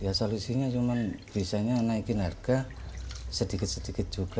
ya solusinya cuma bisanya naikin harga sedikit sedikit juga